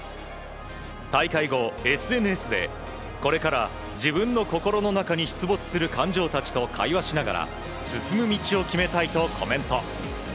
大会後、ＳＮＳでこれから自分の心の中に出没する感情たちと会話しながら進む道を決めたいとコメント。